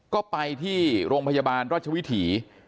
ก็ไปที่โรงพยาบาลราชวิถี